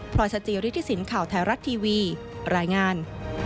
พลอยสัจเจียวที่สินข่าวไทยรัฐทีวีรายงาน